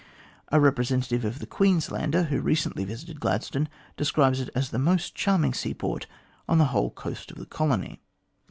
A representative of the Queenslander, who recently visited Gladstone, describes it as the most charming seaport on the whole coast of the colony.